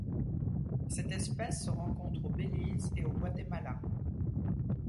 Cette espèce se rencontre au Belize et au Guatemala.